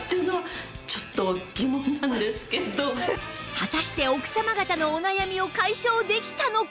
果たして奥様方のお悩みを解消できたのか？